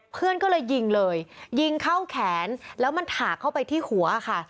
เพื่อนก็เลยยิงเลยยิงเข้าแขนแล้วมันถากเข้าไปที่หัวค่ะ